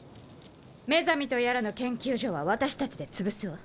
メザミとやらの研究所は私たちで潰すわ。